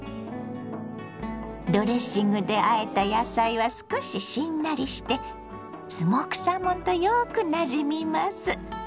ドレッシングであえた野菜は少ししんなりしてスモークサーモンとよくなじみます。